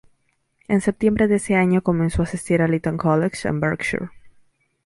En septiembre de ese año, comenzó a asistir al Eton College en Berkshire.